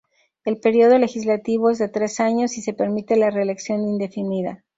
El período legislativo es de tres años y se permite la reelección indefinida.